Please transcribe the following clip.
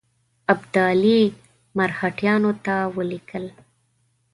ابدالي مرهټیانو ته ولیکل.